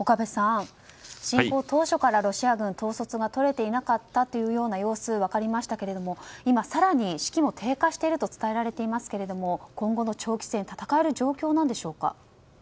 侵攻当初からロシア軍は統率がとれていなかったという様子も分かりましたが今、更に士気も低下していると伝えられていますが今後の長期戦戦える状況なのでしょうか。